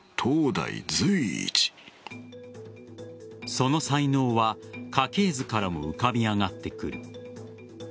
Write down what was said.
その才能は家系図からも浮かび上がってくる。